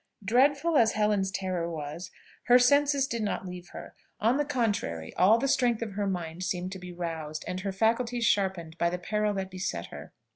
Dreadful as Helen's terror was, her senses did not leave her; on the contrary, all the strength of her mind seemed to be roused, and her faculties sharpened, by the peril that beset her.